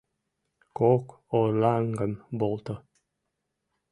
Кок орлаҥгым волто.